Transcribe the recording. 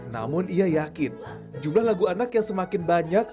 namun ia yakin jumlah lagu anak yang semakin banyak